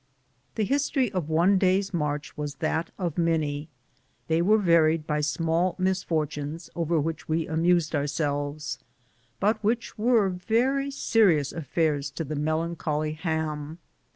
The history of one day's march was that of many; they were varied by small misfortunes over which we amused ourselves, but which were very serious affairs to the melancholy Ham.